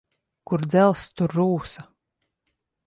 Kur dzelzs, tur rūsa.